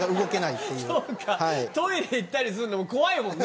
トイレ行ったりするのも怖いもんね